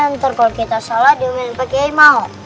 ntar kalau kita salah diomelin pakai email